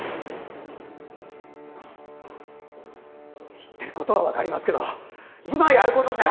言ってることは分かりますけど、今やることじゃあ。